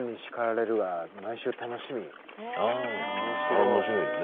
あれ面白いよね。